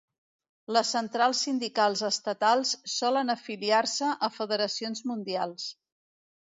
Les centrals sindicals estatals solen afiliar-se a federacions mundials.